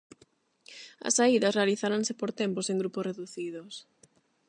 As saídas realizaranse por tempos en grupos reducidos.